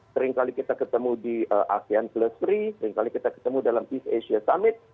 seringkali kita ketemu di asean plus free seringkali kita ketemu dalam peace asia summit